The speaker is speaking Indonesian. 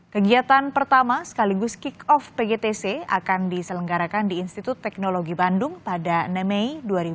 kegiatan pertama sekaligus kick off pgtc akan diselenggarakan di institut teknologi bandung pada enam mei dua ribu dua puluh